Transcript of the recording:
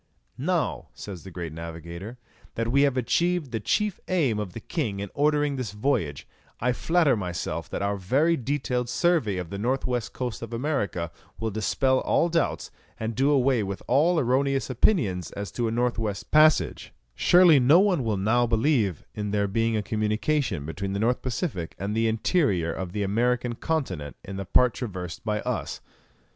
"Now," says the great navigator, "that we have achieved the chief aim of the king in ordering this voyage, I flatter myself that our very detailed survey of the north west coast of America will dispel all doubts, and do away with all erroneous opinions as to a north west passage; surely no one will now believe in there being a communication between the North Pacific and the interior of the American continent in the part traversed by us."